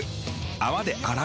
泡で洗う。